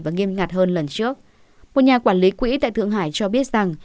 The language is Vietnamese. và nghiêm ngặt hơn lần trước một nhà quản lý quỹ tại thượng hải cho biết rằng